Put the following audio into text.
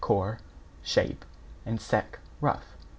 corps, shape, and sec, rough.